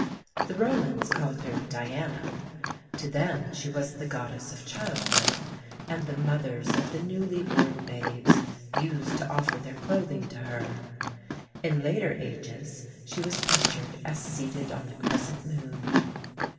The Romans called her Diana. To them she was the goddess of childbirth, and the mothers of the newly born babes used to offer their clothing to her. In later ages she was pictured as seated on the crescent moon.